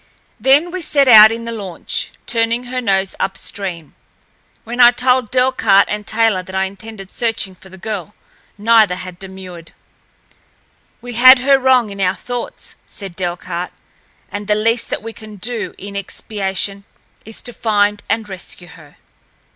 Then we set out in the launch, turning her nose upstream. When I had told Delcarte and Taylor that I intended searching for the girl, neither had demurred. "We had her wrong in our thoughts," said Delcarte, "and the least that we can do in expiation is to find and rescue her."